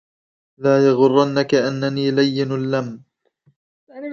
لا يغرنك أنني لين اللم